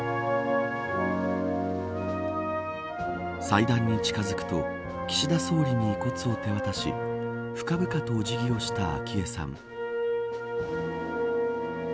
祭壇に近づくと岸田総理に遺骨を手渡し深々とお辞儀をした昭恵さん。